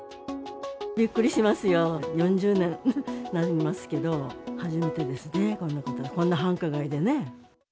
びっくりしますよ、４０年になりますけど、初めてですね、こんなことは、こんな繁華街でね。